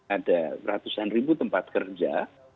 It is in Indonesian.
ada ratusan ribu tempat kerja